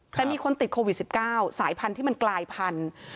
แต่มีคนติดโควิด๑๙สายพันธุ์ที่มันกลายพันธุ์